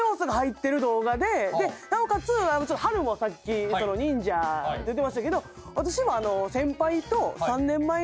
でなおかつはるもさっき忍者って言ってましたけど私も。